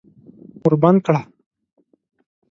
ور بند کړه!